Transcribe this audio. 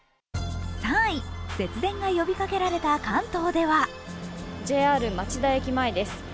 ３位、節電が呼びかけられた関東ではＪＲ町田駅前です。